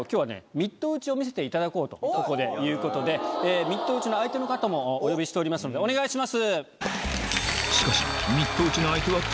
ミット打ちを見せていただこうということでミット打ちの相手の方もお呼びしておりますのでお願いします！